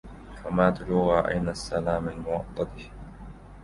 حماة الوغى أين السلام الموطد